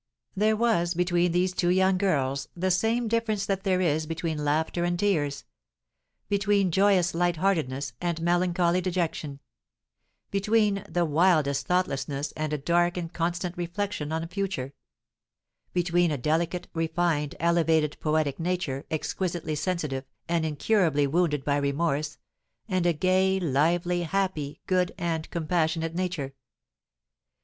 There was between these two young girls the same difference that there is between laughter and tears; between joyous light heartedness and melancholy dejection; between the wildest thoughtlessness and a dark and constant reflection on the future; between a delicate, refined, elevated, poetic nature, exquisitely sensitive, and incurably wounded by remorse, and a gay, lively, happy, good, and compassionate nature.